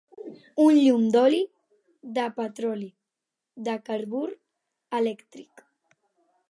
Un llum d'oli, de petroli, de carbur, elèctric.